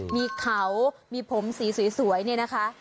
มีเขามีผมสีสวยเนี่ยนะคะ